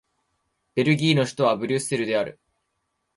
ベルギーの首都はブリュッセルである